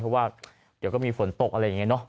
เพราะว่าเดี๋ยวก็มีฝนตกอะไรอย่างนี้เนอะ